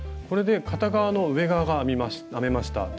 これで片側の上側が編めました。